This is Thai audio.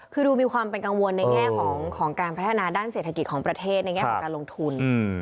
คือดูมีความเป็นกังวลในแง่ของการพัฒนาด้านเศรษฐกิจของประเทศในแง่ของการลงทุน